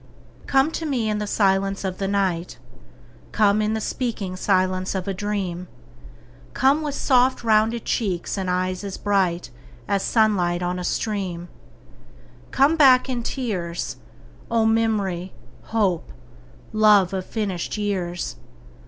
ECHO. Come to me in the silence of the night; Come in the speaking silence of a dream; Come with soft rounded cheeks and eyes as bright As sunlight on a stream; Come back in tears, O memory, hope, love of finished years.